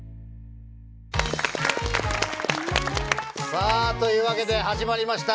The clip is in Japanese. さあというわけで始まりました